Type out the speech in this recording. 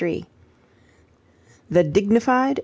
THE DIGNIFIED MR.